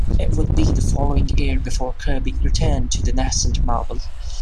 It would be the following year before Kirby returned to the nascent Marvel.